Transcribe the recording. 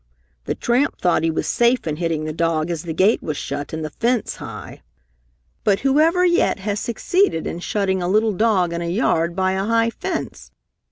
The tramp thought he was safe in hitting the dog as the gate was shut and the fence high. But whoever yet has succeeded in shutting a little dog in a yard by a high fence?